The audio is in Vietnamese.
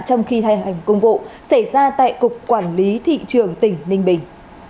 trong khi hành công vụ xảy ra tại cục quản lý thị trường tỉnh ninh bình